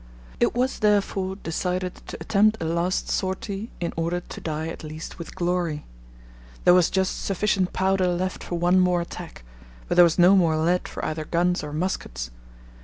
It was therefore decided to attempt a last sortie in order to die at least with glory. There was just sufficient powder left for one more attack, but there was no more lead for either guns or muskets.